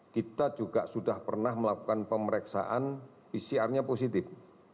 kita juga sudah pernah melakukan pemeriksaan pcr nya positif